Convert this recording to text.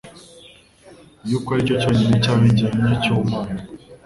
yuko aricyo cyonyine cyaba igihamya cy'ubumana